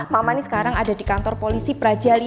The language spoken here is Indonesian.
mama nih sekarang ada di kantor polisi praja v